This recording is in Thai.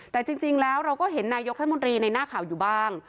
แต่จริงแล้วเราก็เห็นนายกรัฐมนตรีในหน้าข่าวอยู่บ้าง